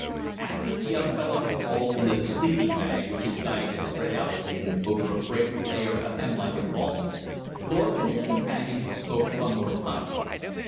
After the young fellow had crawled into the sleeping bag which his guide had spread for him over a fragrant layer of hemlock and balsam, Thorpe and his companion smoked one more pipe.